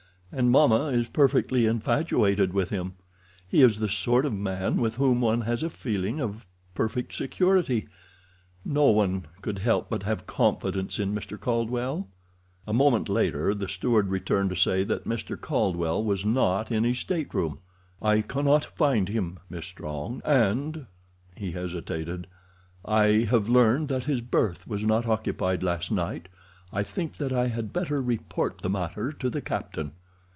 "And mamma is perfectly infatuated with him. He is the sort of man with whom one has a feeling of perfect security—no one could help but have confidence in Mr. Caldwell." A moment later the steward returned to say that Mr. Caldwell was not in his stateroom. "I cannot find him, Miss Strong, and"—he hesitated—"I have learned that his berth was not occupied last night. I think that I had better report the matter to the captain."